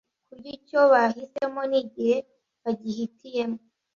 kurya icyo bahisemo nigihe bagihitiyemo